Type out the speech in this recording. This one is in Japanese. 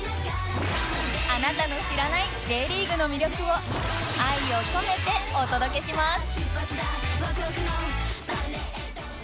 あなたの知らない Ｊ リーグの魅力を愛を込めてお届けします！